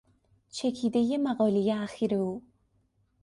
چکیدهی مقالهی اخیر او